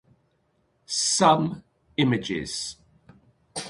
Some images.